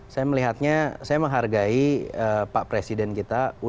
saya melihatnya saya menghargai pak presiden kita